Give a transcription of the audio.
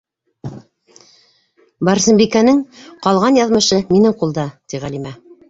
Барсынбикәнең ҡалған яҙмышы - минең ҡулда, ти Ғәлимә.